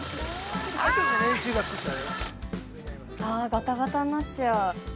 ガタガタになっちゃう。